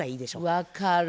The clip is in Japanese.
分かる。